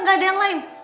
gak ada yang lain